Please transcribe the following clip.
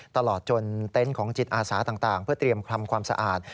ตลอดจนเต็นต์ของจิตอาสาต่างเพื่อเตรียมทำความสะอาด